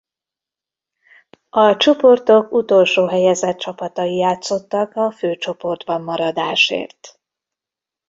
A csoportok utolsó helyezett csapatai játszottak a főcsoportban maradásért.